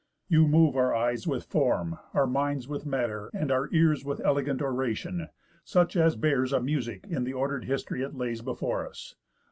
You move our eyes With form, our minds with matter, and our ears With elegant oration, such as bears A music in the order'd history It lays before us.